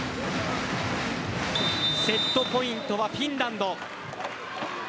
セットポイントはフィンランド。